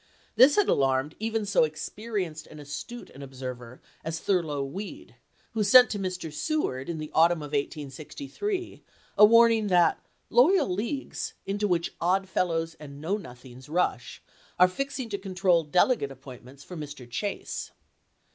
This had alarmed even so experienced and astute an observer as Thurlow Weed, who sent to Mr. Seward in the autumn of 1863 a warning that "loyal leagues, into which Odd Fellows and Know Nothings rush, are fixing to control delegate appointments for Mr. Chase."